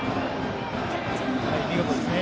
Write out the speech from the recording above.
見事ですね。